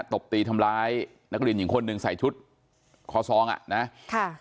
ตบตีทำร้ายนักเรียนหญิงคนหนึ่งใส่ชุดคอซองอ่ะนะค่ะ